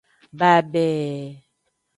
Babe.